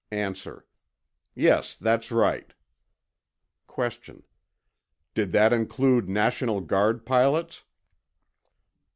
A. Yes, that's right. Q. Did that include National Guard pilots?